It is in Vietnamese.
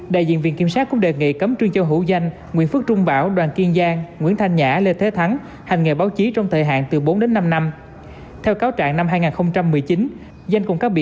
đại diện viện kiểm sát cũng đề nghị cấm trương châu hữu danh nguyễn phước trung bảo đoàn kiên giang nguyễn thanh nhã lê thế thắng